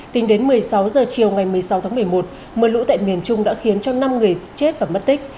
tính đến một mươi sáu h chiều ngày một mươi sáu tháng một mươi một mưa lũ tại miền trung đã khiến cho năm người chết và mất tích